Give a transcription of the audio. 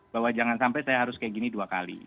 bahwa jangan sampai saya harus kayak gini dua kali